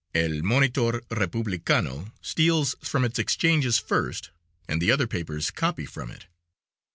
El Monitor Republicano steals from its exchanges first and the other papers copy from it.